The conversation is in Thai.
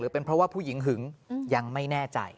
เป็นเพราะว่าผู้หญิงหึงยังไม่แน่ใจ